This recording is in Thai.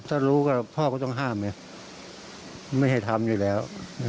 ถ้ารู้ก็พ่อก็ต้องห้ามไงไม่ให้ทำอยู่แล้ว